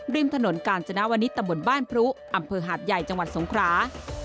ริมถนนกาญจนาวนิตตำบลบ้านพรุอำเภอหาดใหญ่จังหวัดสงครา